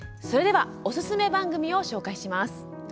それではおすすめ番組を紹介します。